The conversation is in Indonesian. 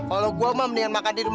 udah udah sana kerja